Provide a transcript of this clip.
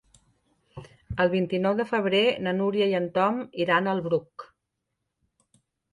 El vint-i-nou de febrer na Núria i en Tom iran al Bruc.